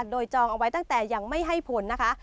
โดยจองเอาไว้ตั้งแต่ยังไม่ให้ผลนะคะ